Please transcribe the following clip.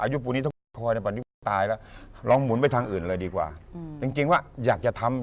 อายุปูนี้ต้องตายแล้วลองหมุนไปทางอื่นเลยดีกว่าอืมจริงจริงว่าอยากจะทำ